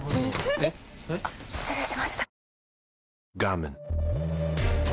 あっ失礼しました。